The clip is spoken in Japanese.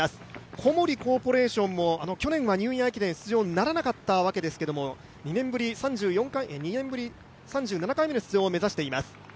小森コーポレーションも去年はニューイヤー駅伝出場ならなかったわけですけれども、２年ぶり３７回目の出場を目指しています。